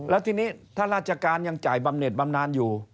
แล้วทีนี้ถ้าราชการยังจ่ายบำเน็ตบำนานอยู่